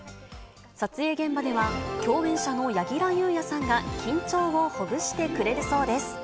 撮影現場では、共演者の柳楽優弥さんが、緊張をほぐしてくれるそうです。